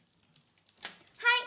はい！